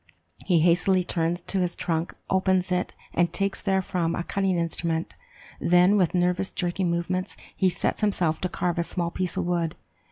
He hastily turns to his trunk, opens it, and takes therefrom a cutting instrument; then, with nervous jerking movements, he sets himself to carve a small piece of wood.